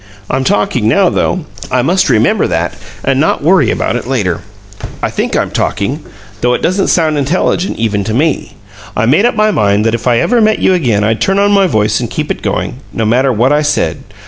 I'm talking now, though; I must remember that, and not worry about it later. I think I'm talking, though it doesn't sound intelligent even to me. I made up my mind that if I ever met you again I'd turn on my voice and keep it going, no mater what it said.